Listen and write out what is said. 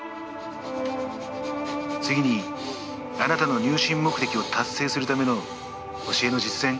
次にあなたの入信目的を達成するための教えの実践